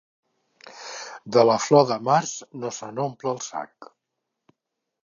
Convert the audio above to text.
De la flor de març no se n'omple el sac.